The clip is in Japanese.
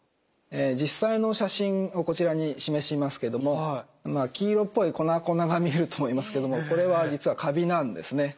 実際の写真をこちらに示しますけども黄色っぽい粉々が見えると思いますけどこれは実はカビなんですね。